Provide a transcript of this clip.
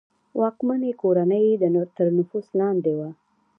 واکمنې کورنۍ تر نفوذ لاندې وه.